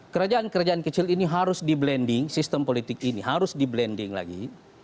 kerajaan kerajaan kecil ini harus di blending sistem politik ini harus di blending lagi